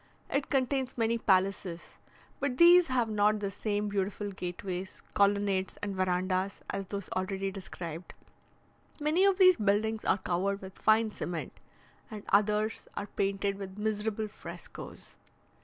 It contains many palaces; but these have not the same beautiful gateways, colonnades, and verandahs as those already described. Many of these buildings are covered with fine cement, and others are painted with miserable frescoes.